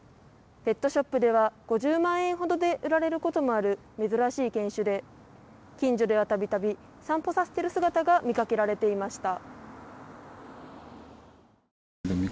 ペットショップでは５０万円ほどで売られることもある珍しい犬種で近所では度々散歩させている姿が見かけられていました。